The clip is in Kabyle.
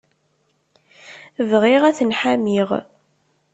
Bɣiɣ ad ten-ḥamiɣ.